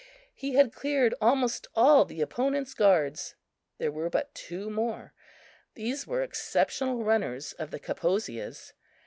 He had cleared almost all the opponents' guards there were but two more. These were exceptional runners of the Kaposias.